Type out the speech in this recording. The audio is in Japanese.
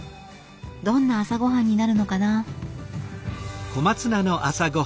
どんな朝ごはんになるのかな。